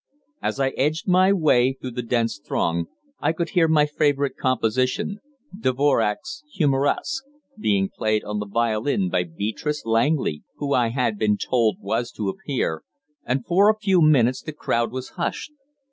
As I edged my way through the dense throng I could hear my favourite composition, Dvorak's "Humoresque," being played on the violin by Beatrice Langley, who I had been told was to appear, and for a few brief minutes the crowd was hushed.